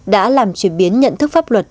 đã làm chuyển biến nhận thức pháp luật